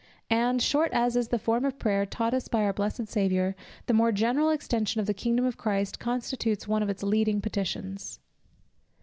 And, short as is the form of prayer taught us by our blessed Saviour, the more general extension of the kingdom of Christ constitutes one of its leading petitions.